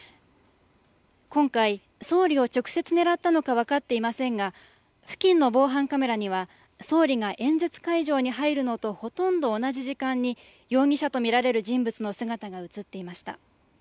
今回、総理を直接狙ったのか分かっていませんが付近の防犯カメラには総理が演説会場に入るのとほとんど同じ時間に容疑者とみられる人物の姿が映っていました。